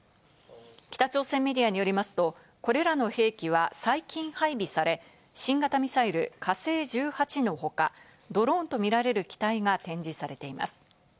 北朝鮮メディアによりますと、これらの兵器は最近配備され、新型ミサイル「火星１８」の他、ドローンとみられる機体が展示されています。